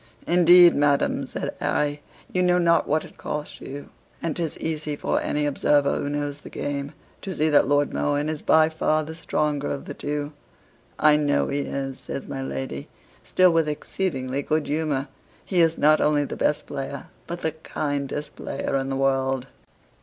"Indeed, madam," said Harry, "you know not what it costs you; and 'tis easy for any observer who knows the game, to see that Lord Mohun is by far the stronger of the two." "I know he is," says my lady, still with exceeding good humor; "he is not only the best player, but the kindest player in the world."